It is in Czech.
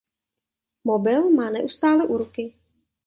Mobil má neustále u ruky.